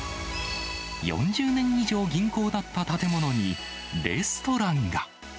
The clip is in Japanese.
４０年以上銀行だった建物に、レストランが。